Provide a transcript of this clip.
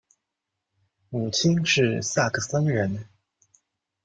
母亲是萨克森人。